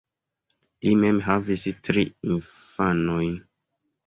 Li mem havis tri infanojn.